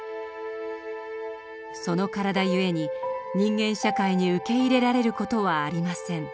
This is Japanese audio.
その体ゆえに人間社会に受け入れられる事はありません。